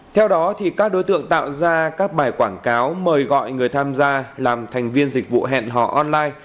theo đó các đối tượng tạo ra các bài quảng cáo mời gọi người tham gia làm thành viên dịch vụ hẹn hò online